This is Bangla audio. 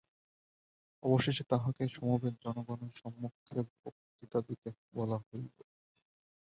অবশেষে তাঁহাকে সমবেত জনগণের সমক্ষে বক্তৃতা দিতে বলা হইল।